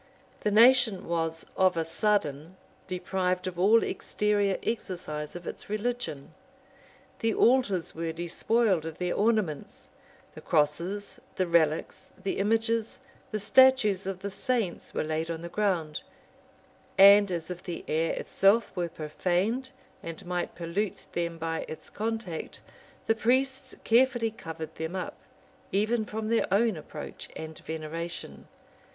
The nation was of a sudden deprived of all exterior exercise of its religion: the altars were despoiled of their ornaments: the crosses, the relics, the images, the statues of the saints were laid on the ground; and as if the air itself were profaned, and might pollute them by its contact, the priests carefully covered them up, even from their own approach and veneration.